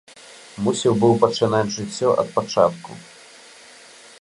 Мусіў быў пачынаць жыццё ад пачатку.